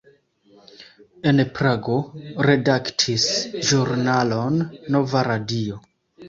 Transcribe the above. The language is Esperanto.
En Prago redaktis ĵurnalon "Nova radio".